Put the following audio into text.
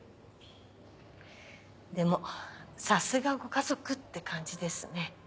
でもさすがご家族って感じですね。